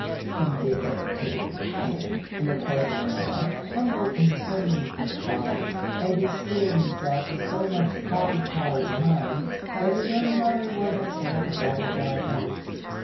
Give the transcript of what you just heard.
He did it too, and, in the course of an hour, tumbled into so many peat bogs, and besmeared himself with so much coffee coloured mud, that his own mother would have failed to recognise him.